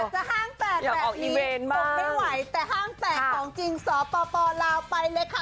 อยากจะห้างแตกแตกอีกตกไม่ไหวแต่ห้างแตกของจริงสอบป่อป่อลาวไปเลยค่ะ